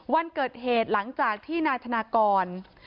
วันเกิดเหตุหลังจากที่นายธนากร